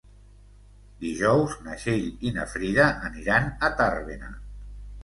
Dijous na Txell i na Frida aniran a Tàrbena.